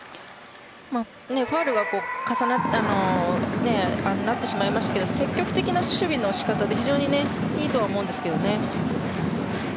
ファウルになってしまいましたが積極的な守備の仕方で非常にいいとは思いますね。